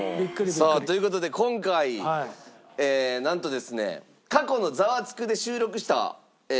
さあという事で今回なんとですね。